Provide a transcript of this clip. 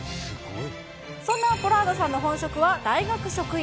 そんなポラードさんの本職は大学職員。